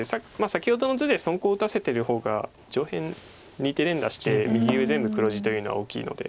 先ほどの図で損コウ打たせてる方が上辺２手連打して右上全部黒地というのは大きいので。